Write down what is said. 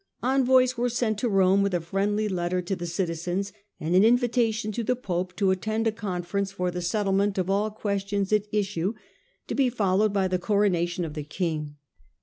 Envoys were sent to Rome with a friendly letter to the citizens, and an invitation to the pope to attend a conference for the settlement of all questions at issue, to be followed by the coronation of the king.